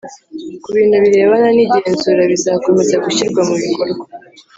ku bintu birebana nigenzura bizakomeza gushyirwa mu bikorwa